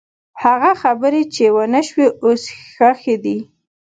هغه خبرې چې ونه شوې، اوس ښخې دي.